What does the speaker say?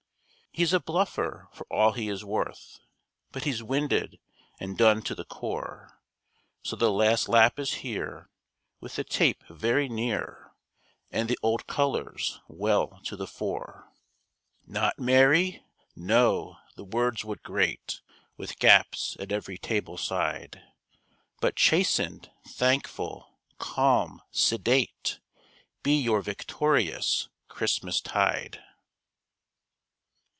He's a bluffer for all he is worth, But he's winded and done to the core, So the last lap is here, with the tape very near, And the old colours well to the fore. 1918 Not merry! No the words would grate, With gaps at every table side, But chastened, thankful, calm, sedate, Be your victorious Christmas tide.